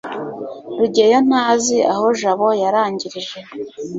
rugeyo ntazi aho jabo yarangirije